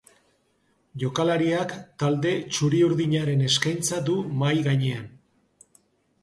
Jokalariak talde txuri-urdinaren eskaintza du mahai gainean.